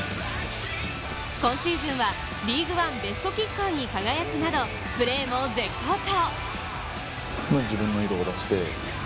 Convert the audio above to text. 今シーズンはリーグワンベストキッカーに輝くなど、プレーも絶好調。